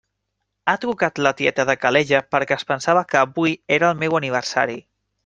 Ha trucat la tieta de Calella perquè es pensava que avui era el meu aniversari.